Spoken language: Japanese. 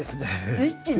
一気に？